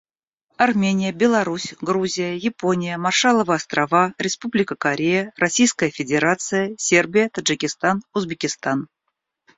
Армения, Беларусь, Грузия, Япония, Маршалловы Острова, Республика Корея, Российская Федерация, Сербия, Таджикистан, Узбекистан.